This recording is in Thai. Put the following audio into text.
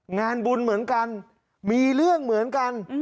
งานบุญเหมือนกันมีเรื่องเหมือนกัน